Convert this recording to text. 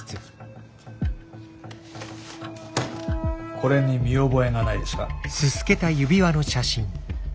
これに見覚えがないですか？